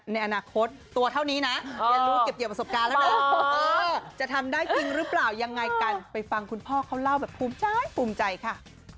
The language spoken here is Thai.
ในอาหารกดตัวเถ้านี้นะอ่ะจะทำได้จริ้มรึเปล่ายังไงกันไปฟังคุณพ่อเค้าเล่าแบบภูมิใจค่ะ